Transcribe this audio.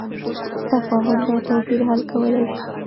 تفاهم دا توپیر حل کولی شي.